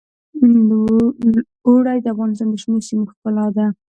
اوړي د افغانستان د شنو سیمو ښکلا ده.